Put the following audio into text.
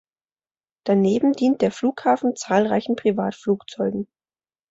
Daneben dient der Flughafen zahlreichen Privatflugzeugen.